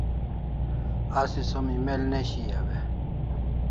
Asi som email ne shaiu e ?